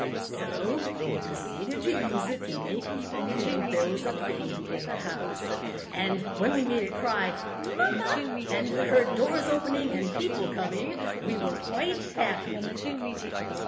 So we proceeded to use it to make people think there was a baby in the house, and when we made it cry "Mam ma," and heard doors opening and people coming, we were quite happy.